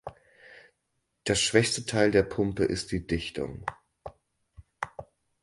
Das schwächste Teil der Pumpe ist die Dichtung.